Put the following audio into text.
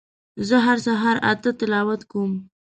زه هر سهار اته تلاوت کوم